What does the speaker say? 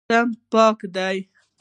صنف پاک دی.